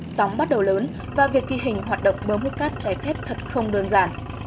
sóng bắt đầu lớn và việc ghi hình hoạt động bơm hút cát trái phép thật không đơn giản